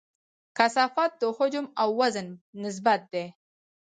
کثافت د حجم او وزن نسبت دی.